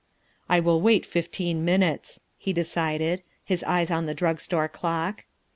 " I will wait fifteen minutes," he decided, his eyes on the drug store clock.